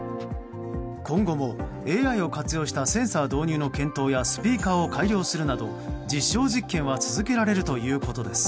今後もＡＩを活用したセンサー導入の検討やスピーカーを改良するなど実証実験は続けられるということです。